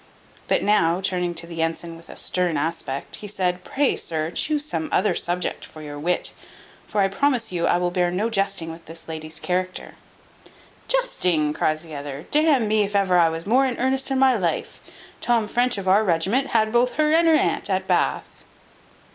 But now, turning to the ensign with a stern aspect, he said, "Pray, sir, chuse some other subject for your wit; for I promise you I will bear no jesting with this lady's character." "Jesting!" cries the other, "d n me if ever I was more in earnest in my life. Tom French of our regiment had both her and her aunt at Bath."